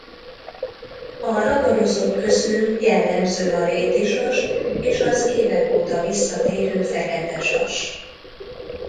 A ragadozók közül jellemző a rétisas és az évek óta visszatérő fekete sas.